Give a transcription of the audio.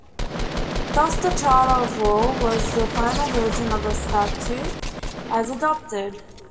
Thus, the Charter of Law was the final version of the statute as adopted.